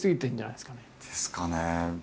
ですかね。